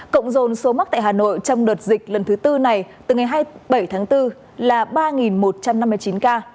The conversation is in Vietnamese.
cộng dồn số mắc tại hà nội trong đợt dịch lần thứ tư này từ ngày hai mươi bảy tháng bốn là ba một trăm năm mươi chín ca